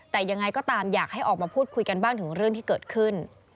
แต่ยังไงก็ตามอยากให้ออกมาพูดคุยกันบ้างถึงเรื่องที่เกิดขึ้น